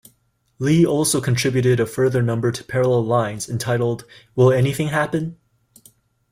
Lee also contributed a further number to "Parallel Lines", entitled "Will Anything Happen?